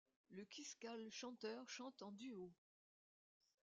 Le Quiscale chanteur chante en duo.